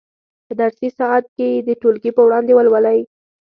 په درسي ساعت کې یې د ټولګي په وړاندې ولولئ.